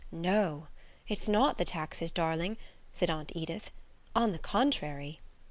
"No; it's not the taxes, darling," said Aunt Edith; "on the contrary."